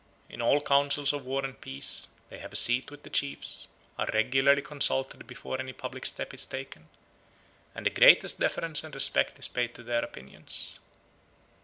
In all councils of war and peace, they have a seat with the chiefs, are regularly consulted before any public step is taken, and the greatest deference and respect is paid to their opinions."